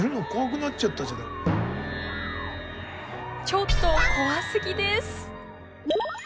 ちょっと怖すぎです。